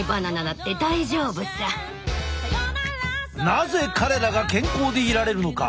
なぜ彼らが健康でいられるのか。